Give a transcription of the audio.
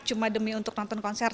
cuma demi untuk nonton konser